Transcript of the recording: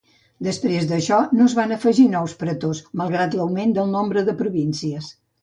Després d'això no es van afegir nous pretors malgrat l'augment del nombre de províncies.